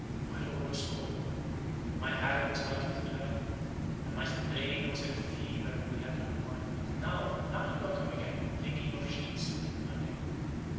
My lord was cold, and my Harry was likely to die: and my brain was in a fever; and we had no wine. But now now you are come again, bringing your sheaves with you, my dear."